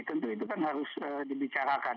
tentu itu kan harus dibicarakan